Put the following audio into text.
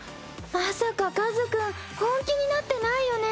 まさか和君本気になってないよね？